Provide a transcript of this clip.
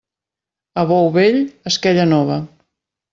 A bou vell, esquella nova.